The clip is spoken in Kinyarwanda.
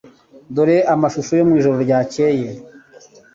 Dore amashusho yo mwijoro ryakeye